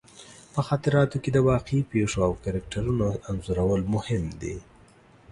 په خاطراتو کې د واقعي پېښو او کرکټرونو انځورول مهم دي.